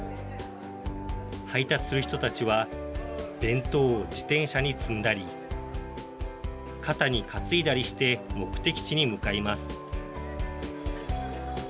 配達する人たちは弁当を自転車に積んだり肩に担いだりして目的地に向かいます。